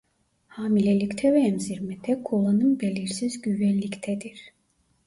Hamilelikte ve emzirmede kullanım belirsiz güvenliktedir.